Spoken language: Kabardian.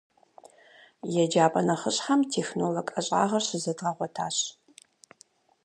Еджапӏэ нэхъыщхьэм «технолог» ӏэщӏагъэр щызэдгъэгъуэтащ.